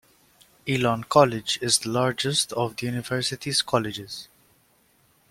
Elon College is the largest of the university's colleges.